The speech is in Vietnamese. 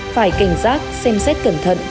phải cảnh giác xem xét cẩn thận